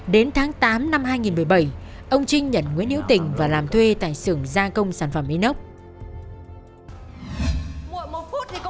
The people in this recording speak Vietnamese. đến tháng tám năm hai nghìn một mươi bảy ông trinh nhận nguyên hiệu tình và làm thuê tại xưởng gia công sản phẩm enoch